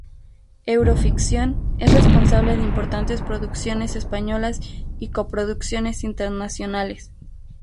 Euro Ficción es responsable de importantes producciones españolas y co-producciones internacionales.